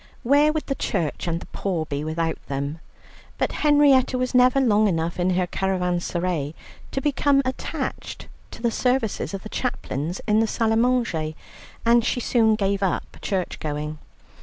Where would the church and the poor be without them? But Henrietta was never long enough in her caravanserais to become attached to the services of the chaplains in the salle à manger, and she soon gave up churchgoing.